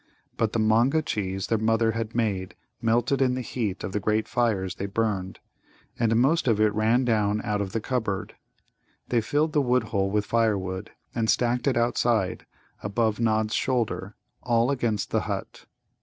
But the Manga cheese their mother had made melted in the heat of the great fires they burned, and most of it ran down out of the cupboard. They filled the wood hole with firewood, and stacked it outside, above Nod's shoulder, all against the hut.